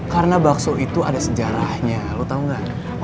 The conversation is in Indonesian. karena bakso itu ada sejarahnya lo tau nggak